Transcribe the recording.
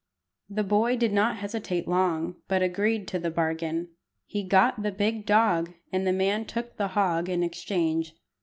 The boy did not hesitate long, but agreed to the bargain. He got the big dog, and the man took the hog in exchange.